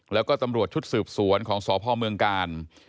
แล้วก็ตำรวจชุดสืบสวนของสพเมืองกาล